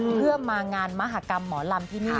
เพื่อมางานมหากรรมหมอลำที่นี่